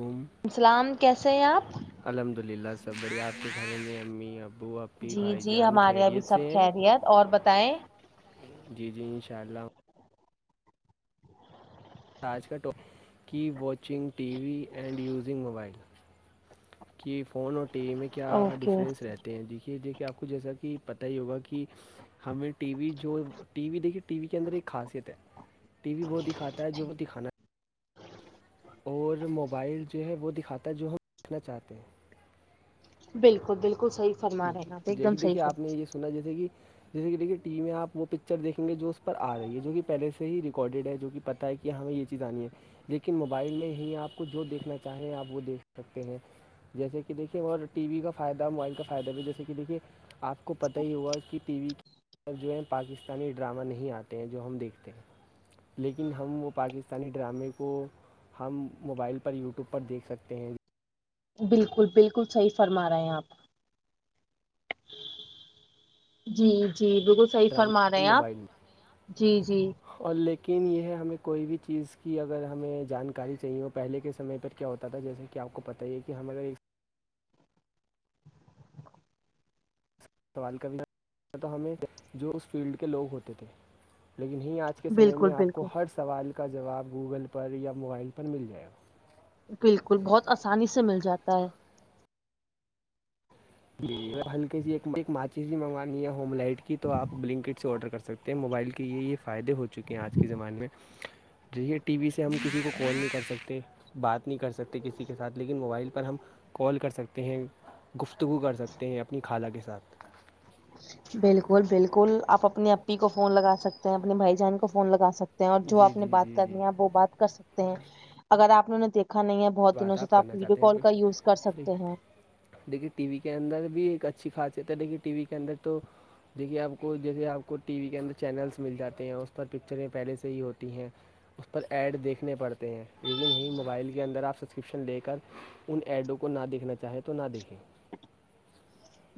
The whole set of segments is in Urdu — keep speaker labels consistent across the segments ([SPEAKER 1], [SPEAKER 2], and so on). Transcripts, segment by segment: [SPEAKER 1] وم
[SPEAKER 2] السلام کیسے ہیں آپ-
[SPEAKER 1] الحمد للہ سب بڑھیا آپ کے گھروں میں امی ابو ای
[SPEAKER 2] جی
[SPEAKER 1] بھائی
[SPEAKER 2] جی
[SPEAKER 1] جان
[SPEAKER 2] ہمارے یہاں بھی
[SPEAKER 1] خیریت
[SPEAKER 2] سب
[SPEAKER 1] سے ہیں
[SPEAKER 2] خیریت اور بتائیں
[SPEAKER 1] جی جی ان شاء اللہ تاج کا ٹپ کی watching T V and using mobile کہ فون اور ٹی وی میں کیا
[SPEAKER 2] اوکے
[SPEAKER 1] ڈفرینس رہتے ہیں دیکھیے دیک کہ آپ کو جیسا کہ پتہ ہی ہوگا کہ ہمیں ٹی وی جو ٹی وی دیکھیے ٹی وی کے اندر ایک خاصیت ہے ٹی وی وہ دکھاتا ہے جو وہ دکھانا ہے اور موبائل جو ہے وہ دکھاتا ہے جو ہم دیکھنا چاہتے ہیں
[SPEAKER 2] بالکل بالکل صحی فرماے ہیں آپ ایک
[SPEAKER 1] دیکھیے
[SPEAKER 2] دمح
[SPEAKER 1] دیکھیے آپ
[SPEAKER 2] فرما
[SPEAKER 1] نے یہ سنا جسے کہ جیسے کہ دیکے ٹی وی میں آپ وہ پکچر دیکھیں گے جو اس پر آ رہی ہے جو کہ پہلے ہی ریکارڈیڈ ہے جو کہ پ کہ ہمیں یہ چیز آنی ہے لیکن موبائل میں ہی آپ کو جو دیکھنا چاہے آپ وہ دیکھ سکتے ہیں جیسے کہ دیکھیے اور ٹی وی کا فائدہ موبائل کا فائدے میں جیسے کہ دیکھیے آپ کو پتہ ہی ہوا کہ ٹی وی ا جو ہے پاکستانی ڈرامہ نہیں آتے ہیں جو ہم دیکھتے ہیں لیکن ہم وہ پاکستانی ڈرامے کو ہم موبائل پر یوٹیوب پر دیکھ سکتے ہیں
[SPEAKER 2] بالکل بالکل صحیح فرما رہے ہیں آپ جی جی بالکل صحیح
[SPEAKER 1] ڈرام
[SPEAKER 2] فرما رہے ہیں آپ
[SPEAKER 1] موبائل میں
[SPEAKER 2] جی جی
[SPEAKER 1] اور لیکن یہ ہے ہمیں کوئی بھی چیز کی اگر ہمیں جانکاری چاہیے وہ پہلے کے سمعے پر کیا ہوتا تھا جیسے کیا آپ کو پت ہی ہے کہ ہمارا ایک سوال کا بھیھی تو ہمیں جو اس فیلڈ کے لوگ ہوتے تھے لیکن یہ آج کے سمے
[SPEAKER 2] بالکل
[SPEAKER 1] میں آپ کو
[SPEAKER 2] بالکل
[SPEAKER 1] ہر سوال کا جواب گوگل پر یا موبائل پر مل جائے گا
[SPEAKER 2] بالکل بہت آسانی سے مل جاتا ہے
[SPEAKER 1] جی جی ہلک سی ایک ماچی سی منگوانی ہے ہوم لائٹ کی تو آپ بلنکٹ سے آرڈر کر سکتے موبائل کے یہ یہ فائدے ہو چکے ہیں آج کے زمانے میں ج یہ ٹی وی سے ہم کسی کو کال نہیں کر سکتے بات نہیں کر سکتے کسی کے ساتھ لیکن موبائل پر ہم کال کر سکتے ہیں گفتگو کر سکتے ہیں اپنی خالہ کے ساتھ
[SPEAKER 2] بالکل بالکل آپ اپنی اپی کو فون لگ سکتے ہیں اپنے بھائی جان کو فون لگا سکتے اور جو
[SPEAKER 1] جی
[SPEAKER 2] آپ نے
[SPEAKER 1] جی
[SPEAKER 2] بات
[SPEAKER 1] جی جی
[SPEAKER 2] کرنی ہے وہ بات کر سکتے ہیں اگر آپ نےوں نے دیکھا نہیں ہے بہت دنوں
[SPEAKER 1] بات
[SPEAKER 2] سے تو آپ
[SPEAKER 1] کرنا
[SPEAKER 2] ویڈیو
[SPEAKER 1] چاہتے ہیں
[SPEAKER 2] کال کا یوز کر
[SPEAKER 1] پھر
[SPEAKER 2] سکتے ہیں
[SPEAKER 1] دیکھیے ٹی وی کے اندر بھی ایک اچھی خاصیت ہے دیکھیے ٹی وی کے اندر تو دیکھیے آپ کو جیسے آپ کو ٹی وی کے اندر چینلس مل جاتے ہیں اس پر پکچریں پہلے سے ہی ہوتی ہیں اس پر ایڈ دیکھنے پڑتے ہیں لیکن یہی موبائل کے اندر آپ کرپشن لے کر ان ایڈوں کو نہ دیکھنا چاہے تو نہ دیکھیں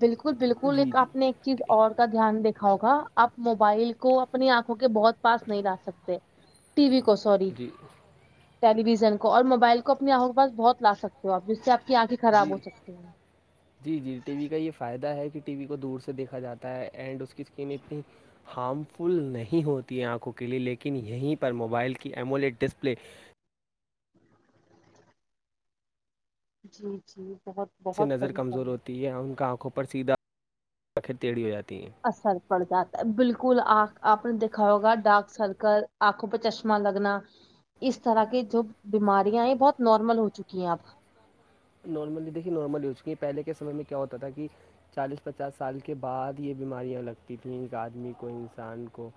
[SPEAKER 2] بالکل بالکل
[SPEAKER 1] جی
[SPEAKER 2] ایک
[SPEAKER 1] جی
[SPEAKER 2] آپ نے چیز اور کا دھیان دیکھا ہوگا آپ موبائل کو اپنی آنکھوں کے بہت پاس نہیں لا سکتے ٹی وی کو سوری
[SPEAKER 1] جی
[SPEAKER 2] ٹیلی ویژن کو اور موبائل کو اپنی آنکھوں کے پاس بہت ل سکتے ہو آپ جس سے آپ کی آنکھیں خراب ہو
[SPEAKER 1] جی
[SPEAKER 2] سکتی ہیں
[SPEAKER 1] جی جی ٹی وی کا یہ فائدہ ہے کہ ٹی وی کو دور سے دیکھا جاتا ہے اینڈ اس کی اسکرین اتنی ہارم فل نہیں ہوتی ہے آنکھوں کے لیے لیکن یہیں پر موبائل کی ایمولیٹ ڈسپلے
[SPEAKER 2] جی جی بہت
[SPEAKER 1] سے
[SPEAKER 2] بہت
[SPEAKER 1] نظر
[SPEAKER 2] صحیح
[SPEAKER 1] کمزور
[SPEAKER 2] فرمایا
[SPEAKER 1] ہوتی ہے اور ان کا آنکھوں پر سیدھا آخر ٹیڑھی ہو جاتی ہیں
[SPEAKER 2] اثر پڑ جاتا ہے بالکل آ آپ نے دیکھا ہوگا ڈارک سرکل آنکھوں پہ چشمہ لگنا اس طرح کی جو بیماریاں ہیں بہت نارمل ہو چکی ہیں اب
[SPEAKER 1] نارملی دیکھیے نارمل یوج کی پہلے کے سمے میں کیا ہوتا تھا کہ چالیس پچاس سال کے بعد یہ بیماریاں لگتی تھیں ایک آدمی کو انسان کو-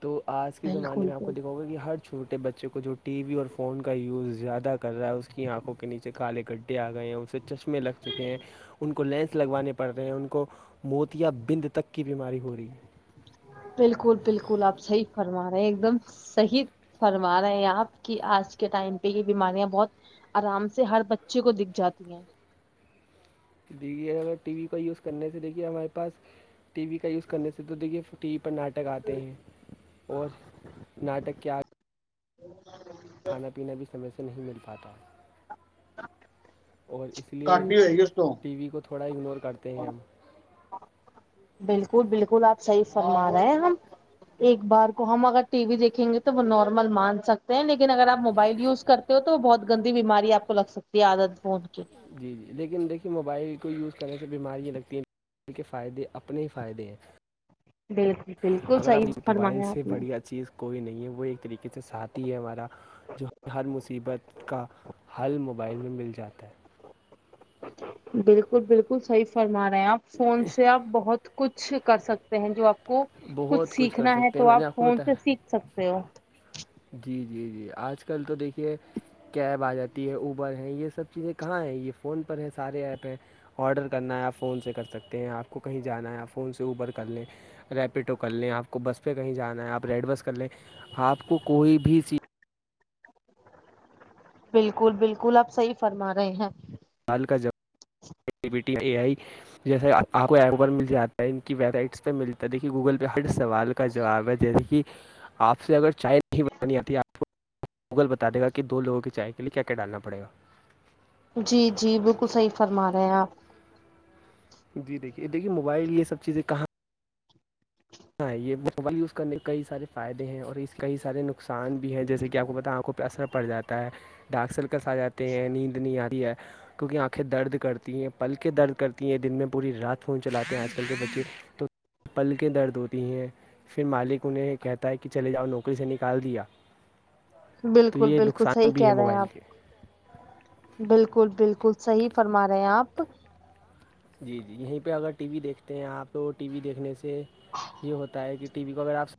[SPEAKER 1] تو آج کے
[SPEAKER 2] بالکل
[SPEAKER 1] زمانے میں آپ
[SPEAKER 2] بالکل
[SPEAKER 1] کو دکھاؤ گا کہ ہر چھوٹے بچے کو جو- ٹی وی اور فون کا یوز زیادہ کر رہا ہے اس کی آنکھوں کے نیچے کالے گڈھے آ گئے ہیں اسے- چشمے لگ چکے ہیں ان کو لینس لگوانے پڑ رہے ہیں ان کو- کو موت یا بند تک کی بیماری ہو رہی ہے-
[SPEAKER 2] بالکل بالکل آپ صحیح فرما رہے ہیں ایک دم- صحی فرما رہے ہیں آپ کی آج کے ٹائم پہ یہ بیماریاں بہت- آرام سے ہر بچے کو دکھ جاتی ہیں-
[SPEAKER 1] دیے اگر ٹی وی کو یوز کرنے سے دیکھیے ہمارے پاس- ٹی وی کا یوز کرنے سے تو دیکھیے ٹی وی پر ناٹک آتے ہیں اور ناٹک کیا-
[SPEAKER 2] [inaudible]
[SPEAKER 1] کھانا پینا بھی سمے سے نہیں مل پاتا- اور اس لیے
[SPEAKER 2] کاٹنی رہے گی اس کو
[SPEAKER 1] ٹی وی کو تھوڑا اگنور کرتے ہیں ہم-
[SPEAKER 2] بالکل- بالکل آپ صحیح فرما رہے ہیں ہم- ایک بار کو ہم اگر ٹی وی دیکھیں گے تو وہ نارمل مان سکتے ہیں لیکن اگر آپ موبائل یوز کرتے- ہو تو وہ بہت گندی بیماری آ کو لگ سکتی ہے عادت پونچ کی-
[SPEAKER 1] جی- جی لیکن دیکھیے موبائل کو یوز کرنے سے بیماریاں لگتی ہیں- ب کے فائدے اپنے ہی فائدے ہیں-
[SPEAKER 2] بالکل- بالکل
[SPEAKER 1] اگر اب
[SPEAKER 2] صحیح
[SPEAKER 1] موبائل
[SPEAKER 2] فرمایا
[SPEAKER 1] سے
[SPEAKER 2] آپ نے
[SPEAKER 1] بڑھیا چیز کوئی نہیں ہے وہ ایک طریقے سے ساتھی ہے ہمارا- جو ہر مصیبت کا حل موبائل میں مل جاتا ہے-
[SPEAKER 2] بالکل- بالکل صحیح فرما رہے ہیں آپ فون سے آپ بہت کچھ کر سکتے- جو آپ کو کچھ
[SPEAKER 1] بہت کر
[SPEAKER 2] سیکھنا ہے
[SPEAKER 1] سکتے ہیں
[SPEAKER 2] تو
[SPEAKER 1] میں
[SPEAKER 2] آپ
[SPEAKER 1] نے کو
[SPEAKER 2] فون سے
[SPEAKER 1] بتایا
[SPEAKER 2] سیکھ سکتے ہو-
[SPEAKER 1] جی- جی- جی آج کل تو دیکھیے- کیب آ جاتی ہے اوبر ہیں یہ سب چیزیں کہاں ہیں یہ فون پر ہیں سارے ایپ ہیں آرڈر کرنا ہے پ فون سے کر سکتے ہیں آپ کو کہیں جانا ہے آپ فون سے اوبر کر لیں- ریپڈو کر لیں آپ کو بس پہ کہیں جانا ہے آپ ریڈ بس کر لیں آپ کو کوئی بھی چیز-
[SPEAKER 2] بالکل- بالکل آپ صحیح فرما رہے ہیں-
[SPEAKER 1] سال کا جب ای بیی ٹی اے آئی جیسے آپ کو ایپ پر مل جاتا ہے ان کی ویب سائٹسہ ملتا ہےیکے گوگل پہ- ہر سوال کا جواب ہے جیسے کہ آپ سے اگر چائے نہیں بنانی آتی آپ کو- گوگل بتا دے گا کہ دو لوگوں کی چائے کے لئے کیا کیا ڈالنا پڑے گا-
[SPEAKER 2] جی- جی بالکل صحیح فرما رہے ہیں آپ-
[SPEAKER 1] جی, دیکھیے- دیکھیے موبائل یہ سب چیزیں کہاں- ہاں یہ موبائل یوزنے کے کئی سارے فائد ہیں اور اس کئی سارے نقصان بھی ہیں جیسے کہ آپ کو بتا آنکھوں پہ اثر- پڑ جاتا ہے ڈاک سلکس آ جاتے ہیں نیند نہیں آتی ہے- کیونکہ آنکھیں درد کرتی ہیں پل کےیں درد کرتی ہیں دن میں پوری رات- فون چلاتے ہیں آج کل کے بچے تو پل کےیں درد ہوتے- ہیں پھر مالک انہیں کہتا ہے کہ چلے جاؤ نوکری سے نکال دیا- تو
[SPEAKER 2] بالکل-
[SPEAKER 1] یہ
[SPEAKER 2] بالکل
[SPEAKER 1] نقصان
[SPEAKER 2] صحیح
[SPEAKER 1] بھی ہے
[SPEAKER 2] کہہ رہے ہیں
[SPEAKER 1] موبائل کے
[SPEAKER 2] آپ- بالکل- بالکل صحی فرما رہے ہیں آپ
[SPEAKER 1] جی- جی یہیں پہ اگر ٹی وی دیکھتے ہیں آپ- تو ٹی وی دیکھنے سے یہ ہوتا ہے کہ ٹی وی کو اگر آپ س-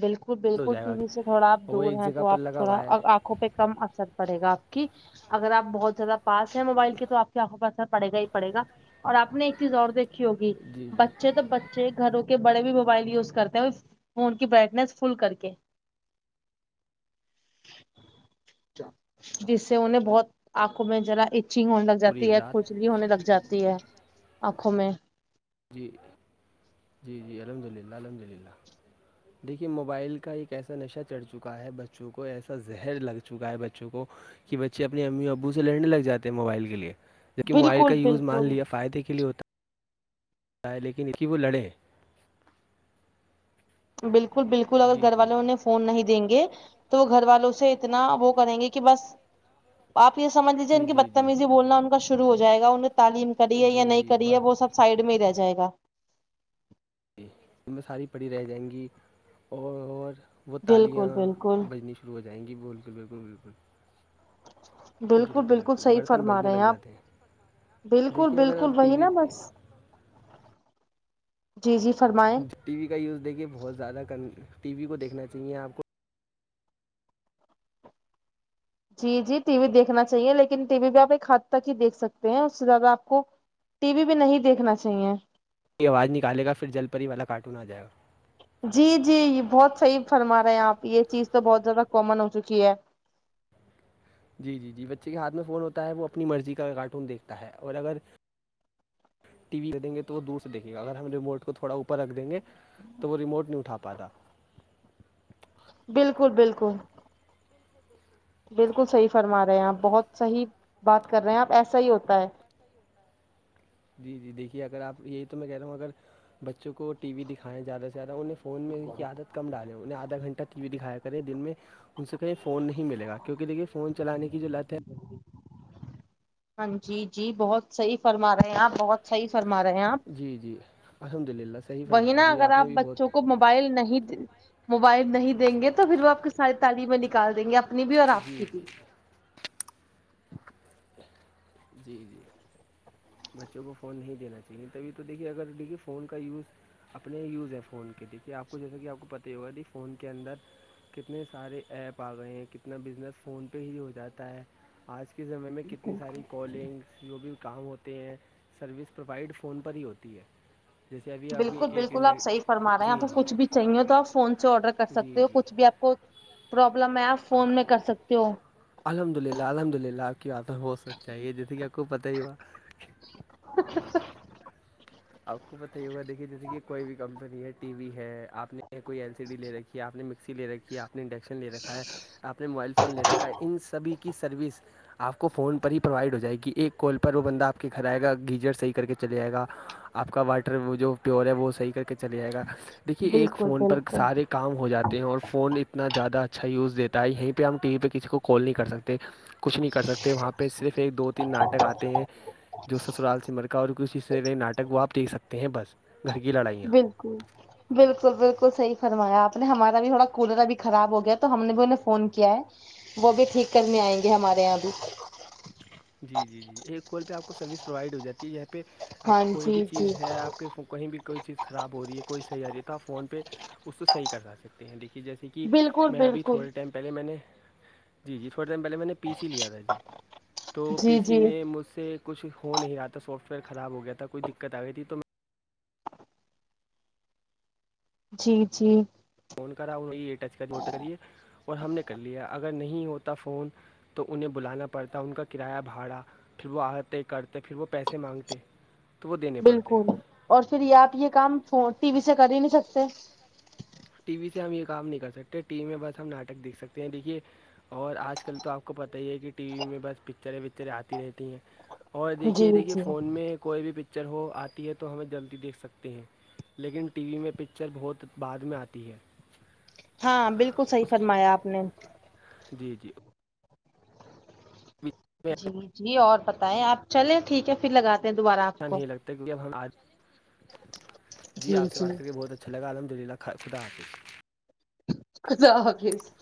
[SPEAKER 2] بالکل-
[SPEAKER 1] ہو
[SPEAKER 2] بالکل
[SPEAKER 1] جائے
[SPEAKER 2] ٹی
[SPEAKER 1] گا
[SPEAKER 2] وی سے تھوڑا آپ
[SPEAKER 1] وہ
[SPEAKER 2] دور
[SPEAKER 1] ایک
[SPEAKER 2] ہیں
[SPEAKER 1] جگہ
[SPEAKER 2] تو
[SPEAKER 1] پر
[SPEAKER 2] آپ
[SPEAKER 1] لگا ہوا
[SPEAKER 2] تھوڑا
[SPEAKER 1] ہے
[SPEAKER 2] آنکھوں پہ- کم اثر پڑے گا آپ کی اگر آپ بہت زیادہ- پاس ہے موبائل کے تو آپ آنکھوں پاسر پڑے گا ہی پڑے گا اور آپ ایک چیز اور دیکھ- ہوگی
[SPEAKER 1] جی جی
[SPEAKER 2] بچے تو بچے گھروں کے بڑے بھی موبائل یوز کرتے ہیں- فون برائٹنیس فل کر کے جس سے انیں بہت آنکھوں میں ذرا- چھیگ ہونے لگ
[SPEAKER 1] پوری
[SPEAKER 2] جاتی ہے
[SPEAKER 1] رات
[SPEAKER 2] کھچلی ہونے لگ جاتی ہے آنکھوں میں
[SPEAKER 1] جی جی جی الحمد للہ الحمد للہ دیکھیے موبائل کا ایک ایسا نشہ چڑھ چکا ہے بچوں کو ایسا زہر لگ چکا ہے بچوں کو بچے اپنے امی ابو سے لڑنے لگ جاتے موبائل کے لیے جب کہ موبائل
[SPEAKER 2] بالکل
[SPEAKER 1] کا یز مان
[SPEAKER 2] بالکل
[SPEAKER 1] لیا فائدے کے لیے ہوتا تا ہے لیکن استی وہ لڑیں
[SPEAKER 2] بالکل بالکل اگر
[SPEAKER 1] جی
[SPEAKER 2] گھر
[SPEAKER 1] جی
[SPEAKER 2] والوں
[SPEAKER 1] جی
[SPEAKER 2] نے فون نہیں دیں گے تو وہ گھر والوں سے اتنا وہ کریں گے کہ بس آپ یہ سمجھ لیجیے
[SPEAKER 1] جی
[SPEAKER 2] کی
[SPEAKER 1] جی جی
[SPEAKER 2] بتمیزی
[SPEAKER 1] جی
[SPEAKER 2] بولنا ان کا شرع ہو جائے گا انہ تعلیم کری ہے یا
[SPEAKER 1] جی
[SPEAKER 2] نہیں
[SPEAKER 1] جی
[SPEAKER 2] کری ہے
[SPEAKER 1] بس
[SPEAKER 2] وہ سب سائڈ میں ہی رہ جائے گا
[SPEAKER 1] ان میں ساری پڑھی رہ جائیں گی اور وہ تالیاں
[SPEAKER 2] بالکل بالکل
[SPEAKER 1] بجنی رو جائیں گی بول کے بالکل بالکل
[SPEAKER 2] بالکل بالکل صحی
[SPEAKER 1] برتن
[SPEAKER 2] فرما
[SPEAKER 1] بجنے
[SPEAKER 2] رہے
[SPEAKER 1] لگ
[SPEAKER 2] ہیں آپ
[SPEAKER 1] جاتے
[SPEAKER 2] بالکل
[SPEAKER 1] دیکھیے اگر
[SPEAKER 2] بالکل
[SPEAKER 1] آپ ٹی
[SPEAKER 2] وہی
[SPEAKER 1] وی
[SPEAKER 2] نا بس جی جی فرمائیں
[SPEAKER 1] ٹی وی کا یوز دیکھیے بہت زیادہ کر ٹی وی کو دیکھنا چاہیے آپ کو
[SPEAKER 2] جی جی ٹی وی دیکھنا چاہیے لیکن ٹی وی بھی آپ ایک حد تک ہی دیکھ سکتے ہیں اس سے زیادہ آپ کو ٹی وی بھی نہیں دیکھنا چاہیے
[SPEAKER 1] یہ آواز نکالے گا پھر جل پری ہی والا کارٹون آ جائے گا
[SPEAKER 2] جی جی یہ بہت صحیح فرما رہے ہیں آپ یہ چیز تو بہت زیادہ کامن ہو چکی ہے
[SPEAKER 1] جی جی جی بچے کے ہاتھ میں فون ہوتا ہے وہ اپنی مرضی کا کارٹون دیکھتا ہے اور اگر ٹی وی دیں گے تو وہ دور دیکھیں گا اگر ہم رموٹ کو تھوا اوپر رکھ دیں گے تو وہ ریموٹ نہیں اٹھا پاتا
[SPEAKER 2] بالکل بالکل بالکل صحیح فرما رہے ہیں آپ بہت صحیح بات کر رہے ہیں آپ ایسا ہی ہوتا ہے
[SPEAKER 1] جی جی دیکھیے اگر آپ یہی تو میں کہہ رہا ہوں اگر بچوں کو ٹی وی دکھائیں زیادہ سے زیادہ انہیں فون میں اس کی عادت کم ڈالیں انہیں آھا گھنٹہ ٹی وی دکھایا کرے دن میں ان سے کہیں فون نہیں ملے گا کیونکہ دیکھیے فون چلانے کی جو لت ہے
[SPEAKER 2] ہاں جی جی بہت صحیح فرما رہے آپ بہت صحیح فرما رہے ہیں آپ
[SPEAKER 1] جی جی الحمد للہ صحیح
[SPEAKER 2] وہی
[SPEAKER 1] فرمایا
[SPEAKER 2] نا
[SPEAKER 1] جی
[SPEAKER 2] اگر
[SPEAKER 1] نے
[SPEAKER 2] آپ
[SPEAKER 1] بھی بہت
[SPEAKER 2] بچوں کو موبائل نہیں موبائل نہیں دیں گے تو پھر وہ آپ کی ساری تعلیمیں نکال دیں گے آپ اپنی بھی اور آپ
[SPEAKER 1] جی
[SPEAKER 2] کی بھی
[SPEAKER 1] جی جی جی بچوں کو فون نہیں دینا چاہیے تبھی تو دیکھیے اگر دیکھیے فون کا یوز اپنے یوز ہیں فون کے دیکھیے آپ کو جیسا کہ آپ کو پت ہی ہوگا کہ فون کے اندر کتنے سارے ایپ آ گئے ہیں کتنا بزنس فون پہ ہی ہو جاتا ہے آج اس زمے میں کتنی ساری کالنگس جو بھی کام ہوتے ہیں سروس پرووائڈ فون پر ہی ہوتی ہے جیسے ابھی ابھی
[SPEAKER 2] بالکل
[SPEAKER 1] ایک
[SPEAKER 2] بالکل آپ
[SPEAKER 1] انڈیک
[SPEAKER 2] صحی فرماے ہیں آپ
[SPEAKER 1] جی جی
[SPEAKER 2] کچھ بھی چاہیے تو آپ فون سے آرڈر کر
[SPEAKER 1] جی
[SPEAKER 2] سکتے ہو
[SPEAKER 1] جی
[SPEAKER 2] کچھ بھی آپ کو پرابلم ہے آپ فون میں کر سکتے ہو
[SPEAKER 1] الحمد للہ الحمد للہ آپ کی عادت ہو سک چاہیے جیسے کہ آپ کو پتہ ہی ہوا
[SPEAKER 2] [inaudible]
[SPEAKER 1] آپ کو پت ہی ہوا دیکھیے جیسے کہ کوئی بھی کمپنی ہے ٹی وی ہے آ نے کوئی این سی ڈی لے رکھی آپ نے مکسی لے رکھی ہے آپ نے انڈکشن لے رکھا ہے آ نے موبائل فون لے رکھا ہے ان سبھی کی سروس آپ کو فون پر ہی پرووائڈ ہو جائے گی ایک کال پر وہ بندہ آپ کے گھر آئے گا گیزر صحیح کر کے چے جائے گا آپ کا واٹر وہ جو پیور ہے وہ صحیح کر کے چلے جائے گا دیکھیے ایک
[SPEAKER 2] بالکل
[SPEAKER 1] فون پر
[SPEAKER 2] بالکل
[SPEAKER 1] سارے کام ہو جاتے ہیں اور فون اتنا زیادہ اچھا یوز دیتا ہے یہیں پہ ہم ٹی وی پہ کسی کو کال نہیں کر سکتے کچھ نہیں کر سکتے وہاں پہ صرف ایک دو تین ناٹک آتے ہیں جو سسرال سمر کا اور کسی سے نئے ناٹک وہ آپ دیکھ سکتے ہیں بس گھر کی لڑائیاں
[SPEAKER 2] کو بالکل بالکل صحیح فرمایا آپ نے ہمارا بھی تھوڑا کولر ابھی خراب ہو گیا تو ہم نے بھی انہیں فون کیا ہے وہ بھی ٹھیک کرنے آئیں گے ہمارے یہاں بھی
[SPEAKER 1] جی جی جی ایک کال پہ آپ کو سروس پرووائڈ ہو جاتی ہے یہاں پہ
[SPEAKER 2] ہاں
[SPEAKER 1] آپ کوئی بھی
[SPEAKER 2] جی
[SPEAKER 1] چیز
[SPEAKER 2] جی
[SPEAKER 1] ہے آپ کہیں بھی کوئی چیز خراب ہو رہی ہے کوئی صحیح آ رہی ہے آپ فون پہ اس کو صحیح کروا سک ہیں دیکھیے جیسے کہ
[SPEAKER 2] بالکل
[SPEAKER 1] کہ میں ابھی
[SPEAKER 2] بالکل
[SPEAKER 1] تھوڑے ٹائم پہلے میں نے جی جی تھوڑے ٹائم پہلے میں نے پی سی لیا تھا جی تو پی
[SPEAKER 2] جی
[SPEAKER 1] سی
[SPEAKER 2] جی
[SPEAKER 1] میں مجھ سے کچھ ہو نہیں رہا تھا سافٹ ویئر خراب ہو گیا تھا کوئی دقت آ گئی تھی تو میں
[SPEAKER 2] جی جی
[SPEAKER 1] فون کرا انہوں یہ ا ٹچ کر وٹ کریے اور ہم نے کر لیا اگر نہیں ہوتا فون تو انہیں بلانا پڑتا ان کا کرایہ بھاڑا پھر وہ آتے کرتے پھر وہ پیسے مانگتے تو وہ دینے پڑتے
[SPEAKER 2] بالکل اور پھر یہ آپ یہ کام ٹی وی سے کر ہی نہیں سکتے
[SPEAKER 1] ٹی وی سے ہم یہ کام نہیں کر سکتے ٹی وی میں بس ہم ناٹک دیکھ سکتے ہیں دیکھیے اور آج کل تو آپ کو پتا ہی ہے کہ ٹی وی میں بس پکچریں وکچریں آتی رہتی ہیں اور دیکھیے
[SPEAKER 2] جی
[SPEAKER 1] دیکھیے
[SPEAKER 2] جی
[SPEAKER 1] فون میں کوئی بھی پکچر ہو آتی ہے تو ہمیں جلدی دیکھ سکتے ہیں لیکن ٹی وی میں پکچر بہت بعد میں آتی تی ہے
[SPEAKER 2] ہاں بالکل صحیح
[SPEAKER 1] اس
[SPEAKER 2] فرمایا آپ نے
[SPEAKER 1] جی جی میں
[SPEAKER 2] جی جی اور بتائیں آپ چلے ٹھیک ہے پھر لگاتے ہیں دوبارہ آپ
[SPEAKER 1] اچھا
[SPEAKER 2] کو
[SPEAKER 1] نہیں لگتا کیونکہ اب ہم جی آپ سے بات کریں بہت اچھا [unintelligible]
[SPEAKER 2] خدا حافظ